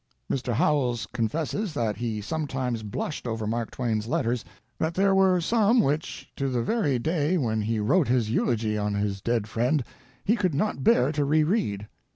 Mr. Howells confesses that he sometimes blushed over Mark Twain's letters, that there were some which, to the very day when he wrote his eulogy on his dead friend, he could not bear to reread.